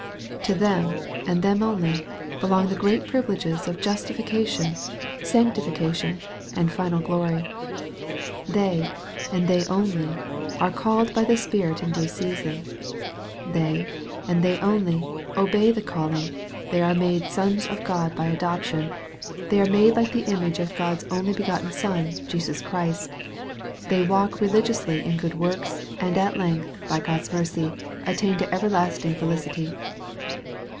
To them, and them only, belong the great privileges of justification, sanctification, and final glory. They, and they only, are " called by the Spirit in due season." They, and they only, " obey the calling. They are made sous of God by adoption. They are 284 EXPOSITORY THOUGHTS. made like the image of God's only begotten Son, Jesus Christ. They walk religiously in good works, and at length, by God's mercy, attain to everlasting felicity."